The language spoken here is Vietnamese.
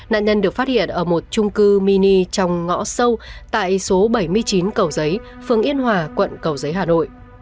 nạn nhân được phát hiện ở một trung cư mini trong ngõ sâu tại số bảy mươi chín cầu giấy phường yên hòa quận cầu giấy hà nội